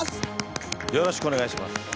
よろしくお願いします。